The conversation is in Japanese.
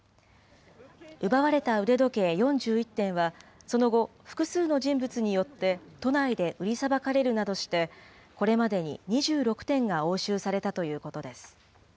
奪われた腕時計４１点は、その後、複数の人物によって都内で売りさばかれるなどして、これまでに２６点が押収されたということです。